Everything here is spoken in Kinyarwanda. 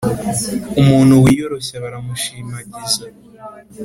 umuntu wiyoroshya baramushimagiza,